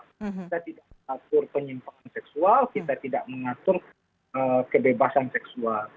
kita tidak mengatur penyimpangan seksual kita tidak mengatur kebebasan seksual